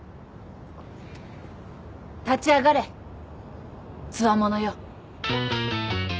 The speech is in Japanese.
立ち上がれつわものよ。